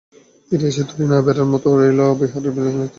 তীরে এসে তরী না-ভেড়ার মতো হয়ে রইল বিহারে বিজেপি নেতৃত্বাধীন এনডিএ জোট।